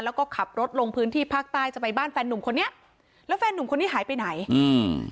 แล้วก็ขับรถลงพื้นที่ภาคใต้จะไปบ้านแฟนนุ่มคนนี้แล้วแฟนหนุ่มคนนี้หายไปไหนอืม